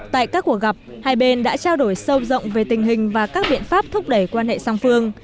tại các cuộc gặp hai bên đã trao đổi sâu rộng về tình hình và các biện pháp thúc đẩy quan hệ song phương